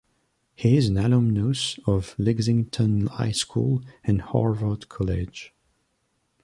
He is an alumnus of Lexington High School and Harvard College.